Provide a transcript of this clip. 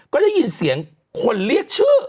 ก็ได้ยินเสียงคนเรียกชื่อ